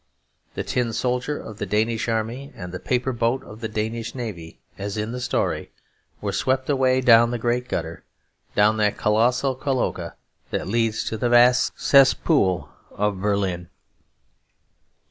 The Tin Soldier of the Danish army and the paper boat of the Danish navy, as in the story, were swept away down the great gutter, down that colossal cloaca that leads to the vast cesspool of Berlin.